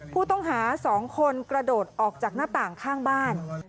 ผู้ต้องหา๒คนกระโดดออกจากหน้าต่างข้างบ้าน